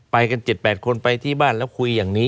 ไปกัน๗๘คนไปที่บ้านแล้วคุยอย่างนี้